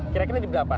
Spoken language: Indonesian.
kira kira ini berapa